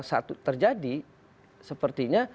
satu terjadi sepertinya